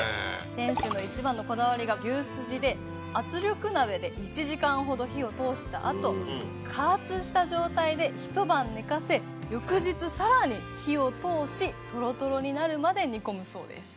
店主の一番のこだわりが牛すじで圧力鍋で１時間ほど火を通した後加圧した状態でひと晩寝かせ翌日さらに火を通しトロトロになるまで煮込むそうです。